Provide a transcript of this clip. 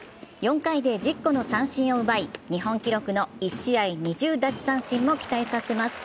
４回で１０個の三振を奪い日本記録の１試合２０奪三振のも期待させます。